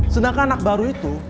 sedangkan anak baru itu